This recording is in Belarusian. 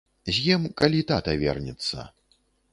З'ем, калі тата вернецца.